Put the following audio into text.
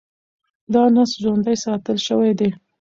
دا نسج ژوندي ساتل شوی دی.